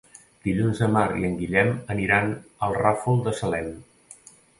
Dilluns na Mar i en Guillem aniran al Ràfol de Salem.